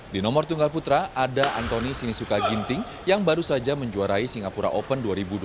di nomor tunggal putra ada antoni sinisuka ginting yang baru saja menjuarai singapura open dua ribu dua puluh tiga